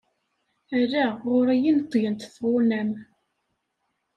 Ala ɣur-i i neṭṭgent tɣunam.